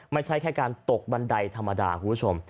ไม่ใช่แค่การตกบันไดธรรมดาคุณผู้ชม